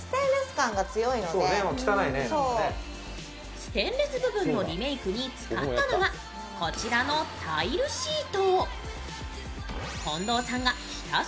ステンレス部分のリメイクに使ったのは、こちらのタイルシート。